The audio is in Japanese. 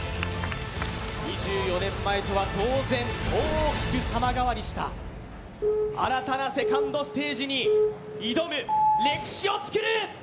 ２４年前とは当然大きく様変わりした新たなセカンドステージに挑む、歴史をつくる！